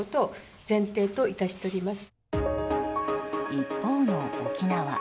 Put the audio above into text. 一方の沖縄。